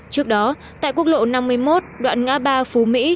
trước đó tại quốc lộ năm mươi một đoạn ngã ba phú mỹ